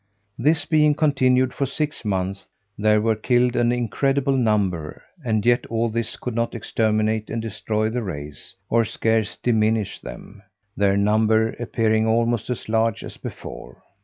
This being continued for six months, there were killed an incredible number; and yet all this could not exterminate and destroy the race, or scarce diminish them; their number appearing almost as large as before.